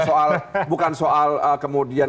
jadi bukan soal kemudian